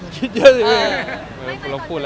คิดยืนอยู่